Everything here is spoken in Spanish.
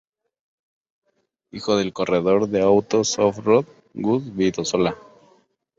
Hijo del corredor de autos off-road Gus Vildósola.